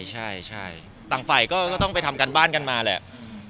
ใช่ใช่ต่างไฟก็ต้องไปทำกันบ้านกันมาแหละ